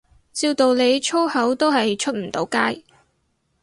照道理粗口都係出唔到街